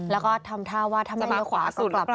แล้วก็ทำท่าว่าถ้ามาขวาสุดกลับ